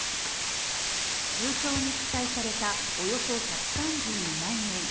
通帳に記載されたおよそ１３２万円。